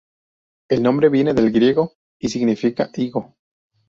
El nombre viene del griego y significa higo.